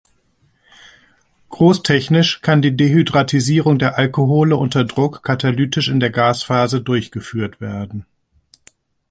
Großtechnisch kann die Dehydratisierung der Alkohole unter Druck katalytisch in der Gasphase durchgeführt werden.